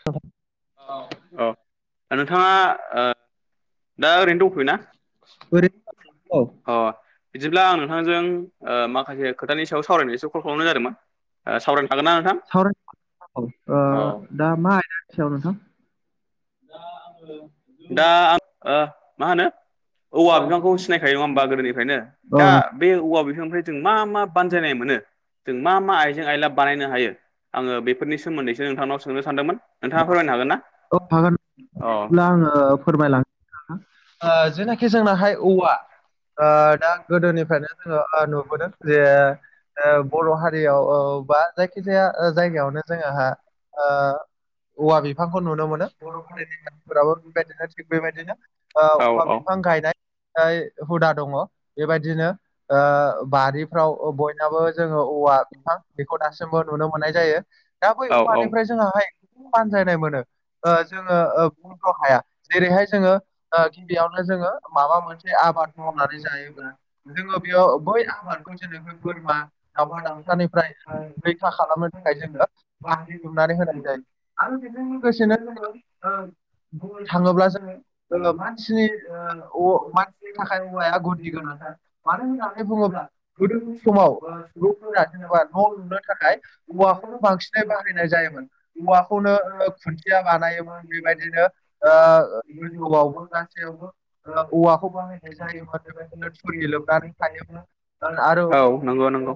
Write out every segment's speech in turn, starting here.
[unintelligible] औ दा नोंथाङा ओ दा ओरैनो दंथयो ना? ओरैनो औ अ बिदिब्ला आं नोंथांजों माखासे खोथानि सायाव सावरायनायसो कल खालामनाय जादोंमोन। सावरायनो हागोन ना नोंथां सावरायनो औ औ। ओ दा मा आयदानि सायाव नोंथां? दा आंबो दा आं मा होनो औवा बिफांखौ सिनायखायो नङा होमबा गोदोनिफ्रायनो औ दा बे औवा बिफांनिफ्राय जों मा मा बानजायनाय मोनो। जों मा मा आइजें आइला बानायनो हायो। आङो बेफोरनि सोमोन्दैसो नोंथांनाव सोंनो सानदोंमोन। नोंथाङा फोरमायनो हागोन ना? औ हागोन औ अब्ला आङो फोरमायलां जेनाखि जोंनाहाय औवा ओ दा गोदोनिफ्रायनो जोङो ओ नुबोदों जे। बर' हारियाव ओ बा जायखि जाया जायगायावनो जोंहा ओ औवा बिफां नुनो मोनो [inaudible] बेबायदिनो थिग बेबायदिनो औ औवा बिफां गायनाय हुदा दङ बेबायदिनो। बारिफ्राव बयनाबो जोङो औवा बिफां बेखौ दासिमबो नुनो मोननाय जायो। दा बै औ औवानिफ्राय जोंहाय बानजायनाय मोनो। ओ जोङो ओ बुंथ' हाया जेरैहाय जोङो गिबियावनो जोङो माबा मोनसे आबाद मावनानै जायोब्ला जोङो बेयाव बै आबादखौ जोङो बै बोरमा दावमा दावसानिफ्राय रैखा खालामनो थाखाय जोङो बाहायो होननानै होनाय जायो आरो बेजों लोगोसेनो जोङो ओ बुंनो थाङोब्ला जोङो ओ मानसिनि ओ अ मानसिनि थाखाय औवाया [inaudible] मानो बुङोब्ला होननानै गोदोनि बुङोब्ला समाव सुबुंफोरा [unintelligible] जेनेबा न' लुनो न'लुनाय थाखाय औवाखौ औवाखौनो बांसिन बांसिनै फ्राय बाहायनाय जायोमोन औवाखौनो ओ खुन्थिया बानायोमोन बेबायदिनो बेबादिनो [inaudible] ओ बियो इउवानो गोबावबो आवबो गासैयावबो ओ औवाखौ बाहायनाय थुरि लोबनानै थायोमोन जायोमोन। आरो औ नंगौ नंगौ।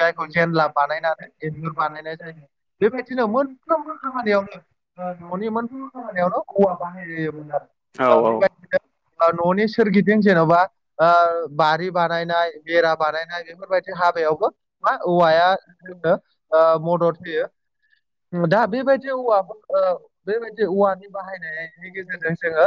जायखौ जेनला बानायनानै एन्जुर बानायनाय जायो बेबायदिनोमोन। [inaudible] मोनफ्रोमबो खामानियावनो औवा बाहायनाय औ जायोमोन आरो। ओ बेबायदिनो औ। न'नि सोरगिदिं जेन'बा अ बारि बानायनाय बेरा बानायनाय बेफोरबायदि हाबायावबो मा औवाया जोंनो मदद होयो दा बेबायदि बे औवाफोर ओ बेबायदि औवानि बाहायनाय गेजेरजों जोङो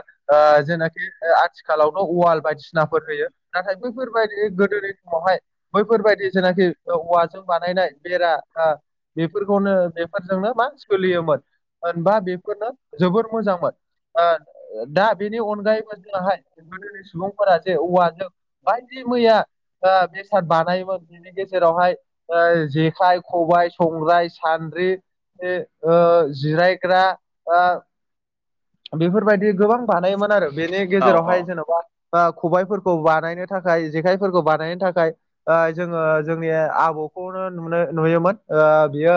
जेनाखि आथिखालावनो अवाल बायदिसिनाफोर होयो। नाथाय बैफोरबायदि गोदोनि समावहाय बैफोरबायदि जेनाखि औवाजों बानायनाय बेरा आ बेफोरखौनो बेफोरजोंनो मा सोलियोमोन होनबा बेफोरनो जोबोर मोजांमोन। दा बेनि अनगायैबो जोंहाय गोदोनि सुबुंफोरा जे औवाजों बायदि मैया आ बेसाद बानायोमोन। नि जेरावहाय जेखाइ खबाइ संग्राय सानद्रि ओ जिरायग्रा ओ बेफोरबायदि गोबां बानायोमोन आरो बेनि औ औ गेजेरावहाय जेन'बा बा खबायफोरखौ बानायनो थाखाय जेखायफोरखौ बानायनो थाखाय आ जोङो जोंनि आब'खौनो नुनो नुयोमोन ओ बियो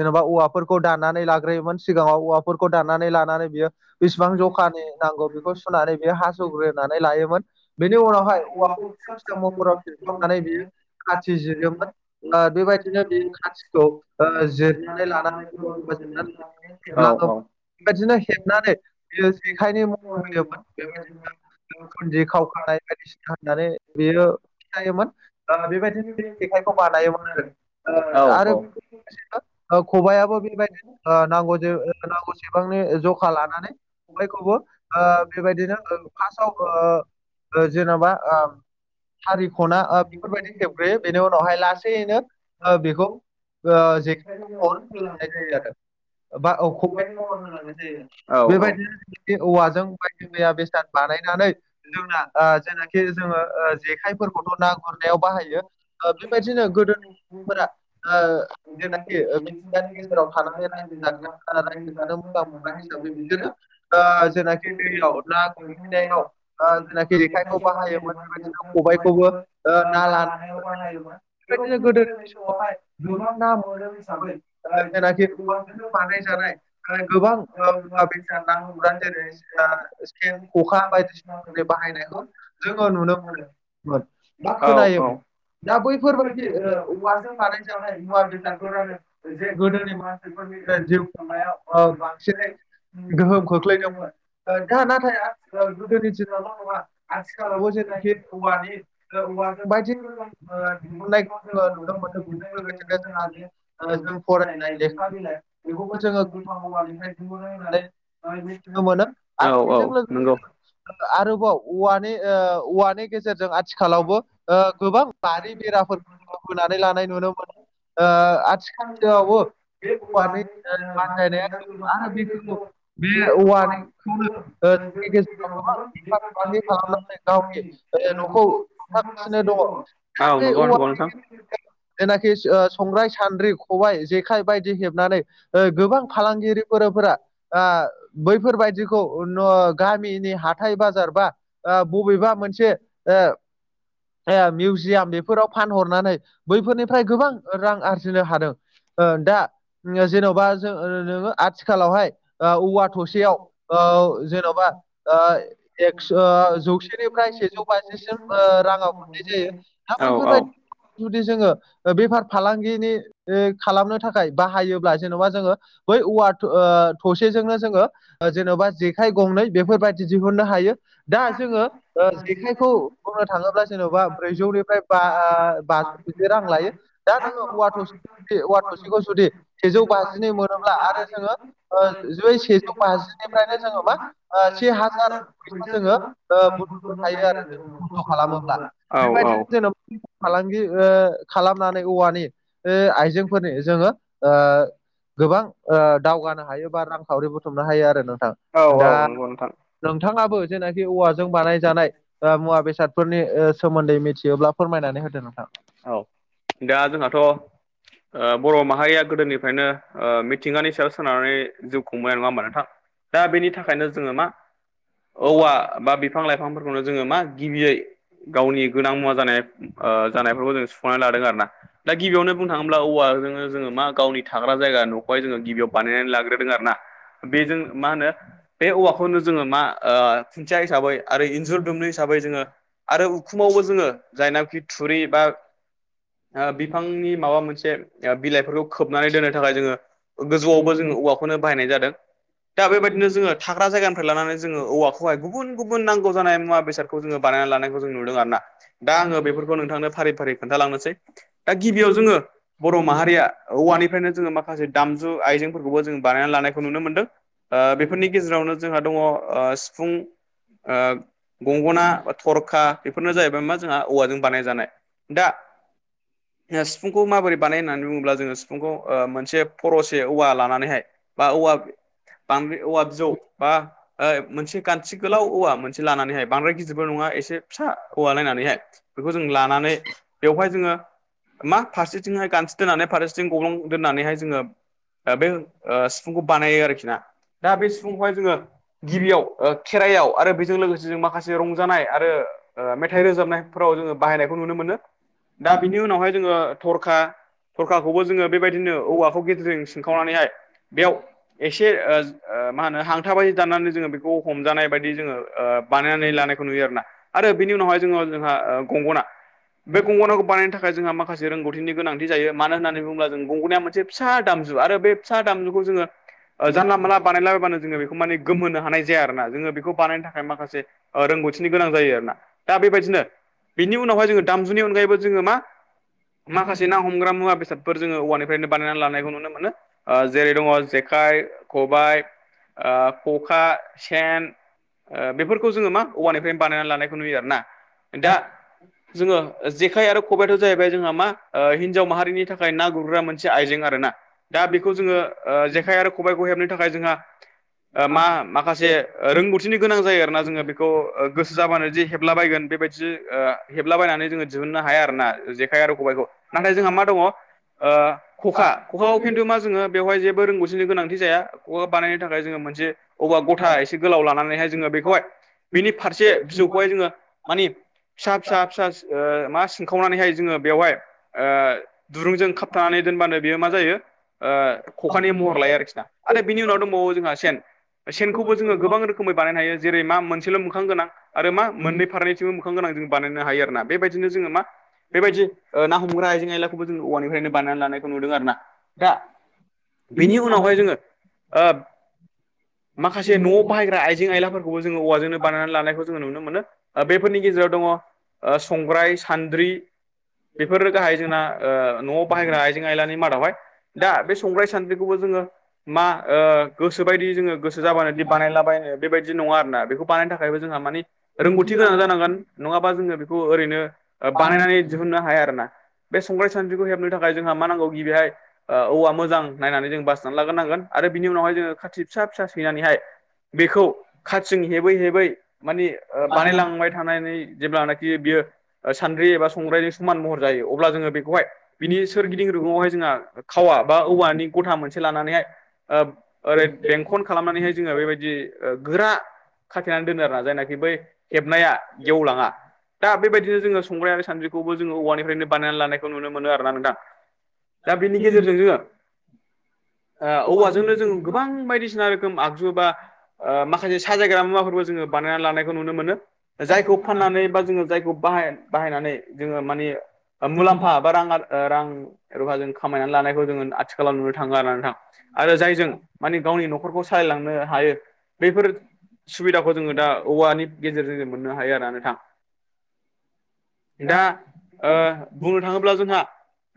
जेनेबा औवाफोरखौ दाननानै लाग्रोयोमोन सिगाङाव औवाफोरखौ दाननानै लानानै बियो [inaudible] बेसेबां जखानि नांगौ बेखौ सुनानै बियो हास'ग्रोनानै लायोमोन बेनि बिनि उनावहाय औवाखौ फिसा महराव फिसा सिनखावनानै [inaudible] हासिब जिरोमोन। ना बेबायदिनो बे खाथिखौ ओ जिर औ हेबलाङो औ। [inaudible] बेबायदिनो हेबनानै बियो जों जेखायनि महर होयोबा बेबादिनो। खुन्दि खावखानाय बायदिसिना होननानै बियो खिथायोमोन दा बेबायदिनो जेखाइखौ बानायोमोन औ आरो खबायाबो बेबायदिनो अ नांग नांगौ सेबांनि ज' लानानै बैखौबो बेबायदिनो फासाव ओ जेन'बा आ हारि ख'ना ओ बेफोरबायदि खेबग्रोयो बेनि उनावहाय लासैयैनो ओ बेखौ ओ जे बा खबाइनि महर [unintelligible] बेबायदिनो जों औवाजों बायदि मैया बेसाद बानायनानै जोंना ओ जेनाखि जोङो जेखायफोरखौथ' ना गुरनायाव बाहायो ओ बेबायदिनो गोदोनि [unintelligible] [unintelligible] [unintelligible] जाग्रा ओ रायजो जानो मोजां मोनग्रा [unintelligible] हिसाबै बिसोरो खबायखौबो ओ जेनाखि दैयाव ओ ना गुरहैनायाव ना ओ जेनाखि जेखायखौ लानायाव बाहायोमोन बेबायदिनो बाहायोमोन खबायखौबो ओ ना बेबायदिनो लानो गोदोनि बेबायदिनो गोदोनि समावहाय समाव [unintelligible] हिसाबै ओ ना जोंना जि जेनाखि औवाजोंनो फानै जानाय बानायजानाय गोबां ओ [unintelligible] [unintelligible] [unintelligible] मुवा बेसाद नांगौब्ला जेरै जोंहा सेन खखा बायदिसिना बाहायनायखौ जोङो नुनो मोनोमोन बा औ औ खोनायोमोन दा बेैफोरबायदि ओ औवाजों बानायजानाय मुवा बेसाद [unintelligible] जे गोदोनि मानसिफोरनि जिउ खुंनायाव जे खुंनायाव एसे बांसिनै गोहोम खोख्लैदोंमोन दा नाथाय जोंनिथिंबो [unintelligible] आथिखालाव बेबायदिनो औवानि [unintelligible] बायदि रोखोम दिहुननाय ओ नुनो मोनो बेजों लोगोसेनो जोंहा [unintelligible] [unintelligible] [unintelligible] फरायनाय लेखा बिलाइ बेखौबो जोङो बुरखा औवानिफ्राय दिहुनो नुनो मोनो होननानै [unintelligible] आरो औ औ बेजों लोगोसे नंगौ आरोबाव औवानि ओ औवानि गेजेरजों आथिखालावबो गोबां बारि बेराफोरखौ होनानै लानाय नुनो मोनो ओ आथिखा [unintelligible] औवानि बानजायनाया [unintelligible] बे औवानिखौनो ओ जोंनि गेजेराव गोबां बेफार फालांगि खालामनानै गावनि [unintelligible] गासिनो दङ औ दा बे नंगौ नंगौ औवानि नोंथां [unintelligible] जेनाखि ओ संग्राय सान्द्रि खबाइ जेखाइ बायदि हेबनानै ओ गोबां फालांगिरि फोरफोरा आ बैफोरबायदिखौ [unintelligible] गामिनि हाथाय बाजार बा ओ बबेबा मोनसे ओ ए मिउजियाम बेफोराव फानहरनानै बैफोरनिफ्राय गोबां रां आरजिनो हादों ओ दा ओ जेन'बा ज नोङो आथिखालावहाय औवा थसेयाव ओ जेन'बा एक ओ जौसेनिफ्राय सेजौ बाजिसिम ओ राङाव मोननाय जायो दा औ औ बैफोरबायदि जुदि जोङो बेफार फालांगिनि ओ खालामनो थाखाय बाहायोब्ला जेन'बा जोङो बै औवा थ ओ थसेजोंनो जोङो जेन'बा जे जेखाइ गंनै बेफोरबायदि दिहुननो हायो दा जोङो ओ जेखाइखौ बुंनो थाङोब्ला जेन'बा ब्रैजौनिफ्राय बा ओ बाजौ बिदि रां लायो दा नोङो औवा थसे औवा थसेखौ जुदि सेजौ बाजिनि मोनोब्ला आरो जोङो [unintelligible] ओ [unintelligible] सेजौ बाजिनिफ्रायनो जोङो मा ओ से हाजार फैसा जोङो ओ [unintelligible] होमबा औ औ बेबायदिनो [unintelligible] फालांगि ओ खालामनानै औवानि ओ आइजेंफोरनि जोङो ओ गोबां ओ दावगानो हायो बा रांखावरि थुमनो हायो आरो नोंथां औ औ दा नंगौ नोंथां नोंथाङाबो जेनाखि औवाजों बानायजानाय ओ मुवा बेसाद फोरनि सोमोन्दै मिथियोब्ला फोरमायनानै होदो नोंथां औ दा जोंहाथ' ओ बर' माहारिया गोदोनिफ्रायनो मिथिंगानि सायाव सोनारनानै जिउ खुंबाय नङा होमबा नोंथां दा बेनि थाखायनो जोङो मा औवा बा बिफां लाइफांफोरखौनो जोङो मा गिबियै गावनि गोनां मुवा जानाय ओ जानायफोरखौ जों सुफुंनानै लादों आरो ना दा गिबियावनो बुंनो थाङोब्ला औवाजोङो जोङो मा गावनि थाग्रा जायगा नखौहाय जोङो गिबियाव बानायनानै लाग्रोदों आरोना बेजों मा होनो बे औवाखौनो जोङो मा ओ खुन्थिया हिसाबै आरो इन्जुर दुमनो हिसाबै जोङो आरो उखुमावबो जोङो जायनाखि थुरि बा ओ बिफांनि माबा मोनसे बिलाइफोरखौ खोबनानै दोननो थाखाय जोङो गोजौआवबो जोङो औवा खौनो बाहायनाय जादों दा बेबायदिनो जोङो थाग्रा जायगानिफ्राय लानानै जोङो औवाखौहाय गुबुन गुबुन नांगौ जानाय मुवा बेसादखौ जोङो बानायना लानायखौ जों नुदों आरोना दा आङो बेफोरखौ नोंथांनो फारि फारि खोन्थालांनोसै दा गिबियाव जोङो बर' माहारिया औवानिफ्रायनो जोङो माखासे दामजु आइजेंफोरखौबो जोङो बानायनानै लानाय खौ नुनो मोनदों ओ बेफोरनि गेजेरावनो जोंहा दङ ओ सिफुं ओ गंगना थरखा बेफोरनो जाहैबाय मा जोंहा औवाजों बानायजानाय दा [inaudible] ओ सिफुंखौ माबोरै बानाय होननानै बुङोब्ला जोङो सिुफुंखौ ओ मोनसे फर'से औवा लानानैहाय बा औवा बां औवा बिजौ बा ओ मोनसे गान्थि गोलाव औवा मोनसे लानानैहाय बांद्राय गिदिरबो नङा एसे फिसा औवा नायनानैहाय बेखौ जों लानानै बेवहाय जोङो मा फारसेथिंहाय गान्थि दोननानै फारसेथिंहाय गब्लं दोननानैहाय जोङो ओ बे ओ सिफुंखौ बानायो आरोखि ना दा बे सिफुंखौहाय जोङो गिबियाव ओ खेराइयाव आरो बेजों लोगोसे जों माखासे रंजानाय आरो ओ मेथाइ रोजाबनाय फोराव जोङो बाहायनायखौ नुनो मोनो दा बिनि उनावहाय जोङो थरखा थरखारखौबो जोङो बेबायदिनो औवाखौ गेजेरजों सिनखावनानैहाय बेयाव एसे मा ओ ओ मा होनो हांथाबायदि दाननानै जोङो बेखौ हमजानाय बायदि जोङो बानायनानै लानायखौ नुयो आरोना आरो बिनि उनावहाय जोङो जोंहा गंगना बे गंगनाखौ बानायनो थाखाय जोंहा माखासे रोंगौथिनि गोनांथि जायो मानो होननानै बुङोब्ला जों गंगनाया मोन से फिसा दामजु आरो बे फिसा दामजुखौ जोङो ओ जानला मोनला बानायलाबायबानो जोङो बेखौ माने गोमहोनो हानाय जाया आरोना जोङो बेखौ बानायनो थाखाय माखासे ओ रोंगौथिनि गोनां जायो आरोना दा बेबायदिनो बिनि उनावहाय जोङो दामजुनि अनगायैबो जोङो मा माखासे ना हम ग्रा मुवा बेसादफोर जोङो औवानिफ्रायनो बानायनानै लानायखौ नुनो मोनो ओ जेरै दङ जेखाइ खबाइ खखा सेन ओ बेफोरखौ जोङो मा औवानिफ्रायनो बानायनानै लानायखौ नुयो आरोना दा जोङो जेखाइ आरो खबाइथ' जाहैबाय जोंहा मा हिन्जाव माहारिनि थाखाय ना गुरग्रा मोनसे आइजें आरोना दा बेखौ जोङो ओ जेखाइ आरो खबायखौ हेबनो थाखाय जोंहा ओ मा माखासे रोंगौथिनि गोनां जायो आरोना जोङो बेखौ गोसो जाबानो दि हेबलाबायगोन बेबायदि ओ हेबलाबायनानै जोङो दिहुननो हाया आरो ना जेखाइ आरो खबाइखौ नाथाय जोंहा मा दङ ओ खखा खखौ खिन्थु मा जोङो बेवहाय जेबो रोंगौ थिनि गोनांथि जाया खखा बानायनो थाखाय जोङो मोनसे अबेबा गथा एसे गोलाव लानानैहाय जोङो बेखौहाय बेनि फारसे बिजौखौहाय जोङो मानि फिसा फिसा फिसा ओ मा सिनखावनानैहाय जोङो बेवहाय ओ दुरुंजों खाबथानानै दोनबानो बेयो मा जायो खखानि महर लायो आरोखि ना आरो बिनि उनाव दंबावो जोंहा सेन सेनखौबो जोङो गोबां रोखोमै बानायनो हायो जेरै मा मोनसेल' मोखां गोनां आरो मा मोननै फारनैथिंबो मोखां गोनां जों बानायनो हायो आरो ना बेबायदिनो जोङो मा बेबायदि ओ ना हमग्रा आयजें आयलाखौबो जों औवानिफ्रायनो बानायनानै लानायखौ नुदों आरोना दा बेनि उनावहाय जोङो ओ माखासे न'आव बाहायग्रा आइजें आयलाफोरखौबो जोङो औवाजोंनो बानायनानै लानायखौ जोङो नुनो मोनो बे फोरनि गेजेराव दङ ओ संग्राय सान्द्रि बेफोरो गाहायै जोंना ओ न'आव बाहायग्रा आइजें आयलानि मादावहाय दा बे संग्राय सानद्रिखौबो जोङो मा ओ गोसोबायदि जोङो गोसो जाबानो दि बानायला बायनो बेबायदि नङा आरोना बेखौ बानायनो थाखायबो जोंहा माने रोंगौथि गोनां जानांगोन नङाबा जोङो बेखौ ओरैनो ओ बानायनानै दिहुननो हाया आरो ना बे संग्राइ सान्द्रिखौ हेबनो थाख खाय जोंहा मा नांगौ गि बेहाय ओ औवा मोजां नायनानै जों बासिनानै लाग्रनांगोन आरो बिनि उनावहाय जोङो खाथि फिसा फिसा सैनानैहाय बेखौ खाथिं हेबै हेबै माने बानायलांबाय थानायानानै जेब्लानाखि बियो सान्द्रि एबा संग्राय समान महर जायो अब्ला जोङो बेखौहाय बिनि सोरगिदिं रुगुङावहाय जोंहा खावा बा औवानि गथा मोनसे लानानैहाय ओरै बेंखन खालामनानैहाय जोङो बेबायदि गोरा खाथेनानै दोनो आरो ना जायनाखि बै हेबनाया गेवलाङा दा बेबायदिनो जोङो संग्राइ आरो सानद्रिखौबो जोङो औवानिफ्रायनो बानायनानै लानायखौ नुनो मोनो आरो ना नोंथां दा बेनि गेजेरजों जोङो ओ औवाजोंनो जों गोबां बायदिसिना रो खोम आगजु बा माखासे साजायग्रा मुवाफोरबो जोङो बानायनानै लानायखौ नुनो मोनो ओ जायखौ फाननानै बा जोङो जायखौ बाहाय-बाहायनानै जोङो मानि मुलाम्फा बा रांङा ओ रां रूफा जों खामायनानै लानायखौ जोङो आथिखालाव नुनो थांलाानानै थां आरो जायजों मानि गावनि न'खरखौ सालायलांनो हायो बैफोर सुबिदाखौ जोङो दा औवानि गेजेरजों जों मोननो हायो आरोना नोंथां दा ओ बुंनो थाङोब्ला जोंहा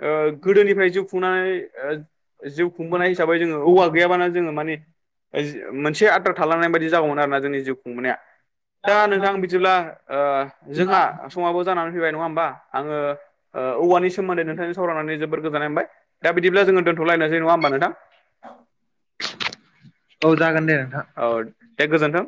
ओ गोदोनिफ्राय जिउ खुंनानै ओ जिउ खुंबोनाय हिसाबै जोङो औवा गैयाबानो जोङो मानिे मोनसे आद्रा थालांनाय बायदि जागौमोन आरो ना जोंनि जिउ खुंबोनाया दा नोंथां बिदिब्ला ओ जोंहा समाबो जानानै फैबाय नङा होमबा आङो ओ औवानि सोमोन्दै नोंथांजों सावरायनानै जोबोर गोजोननाय मोनबाय दा बिदिब्ला जोङो दोनथ'लायनोसै नङा होमबा नोंथां औ जागोन दे नोंथां औ दे गोजोन्थों